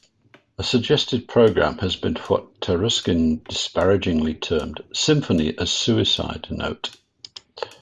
A suggested program has been what Taruskin disparagingly termed symphony as suicide note.